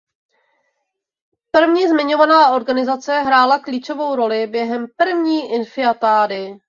První zmiňovaná organizace hrála klíčovou roli během první intifády.